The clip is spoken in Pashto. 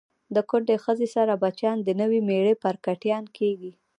د کونډی خځی سره بچیان د نوي میړه پارکټیان کیږي